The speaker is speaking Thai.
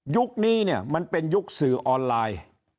นี้เนี่ยมันเป็นยุคสื่อออนไลน์